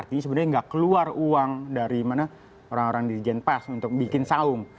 artinya sebenarnya tidak keluar uang dari mana orang orang di genpas untuk bikin saung